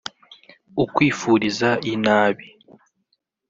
ukwifuriza inabi